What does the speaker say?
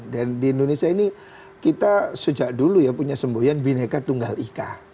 dan di indonesia ini kita sejak dulu ya punya semboyan bineka tunggal ika